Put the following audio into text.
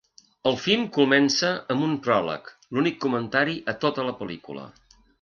El film comença amb un pròleg, l'únic comentari a tota la pel·lícula.